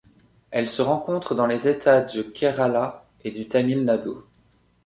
Elle se rencontre dans les États du Kerala et du Tamil Nadu.